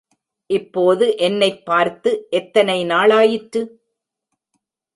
இப்போது என்னைப் பார்த்து எத்தனை நாளாயிற்று?